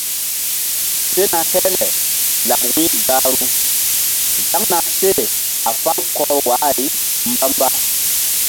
Sena hele laɓ wu̧y gahru zaŋna seh a fal kɔr wa-ay mbamba.